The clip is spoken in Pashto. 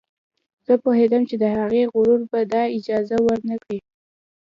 زه پوهېدم چې د هغې غرور به دا اجازه ور نه کړي